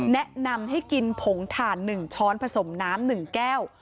แนะนำให้กินผงถ่าน๑ช้อนผสมน้ำ๑แก้ว